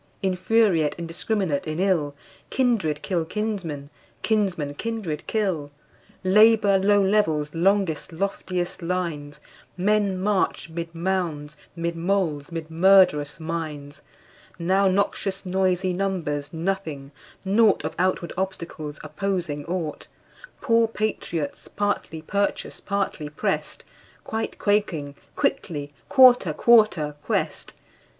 Infuriate, indiscrminate in ill, Kindred kill kinsmen, kinsmen kindred kill. Labor low levels longest, lofiest lines; Men march 'mid mounds, 'mid moles, ' mid murderous mines; Now noxious, noisey numbers nothing, naught Of outward obstacles, opposing ought; Poor patriots, partly purchased, partly pressed, Quite quaking, quickly "Quarter! Quarter!" quest.